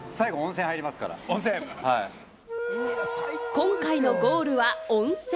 今回のゴールは温泉。